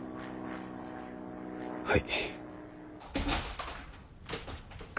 はい。